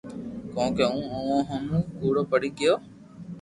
ڪونڪھ ھون اووہ ھومو ڪوڙو پڙي گيو